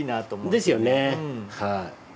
ですよねはい。